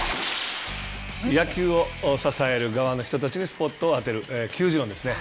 野球を支える側の人たちにスポットを当てる「球自論」ですね。